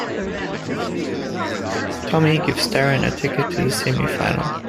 Tommy gives Darren a ticket to the semi final.